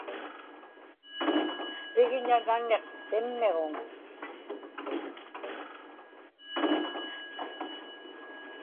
pigña naniq simmiġuŋ